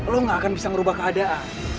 lu gak akan bisa ngerubah keadaan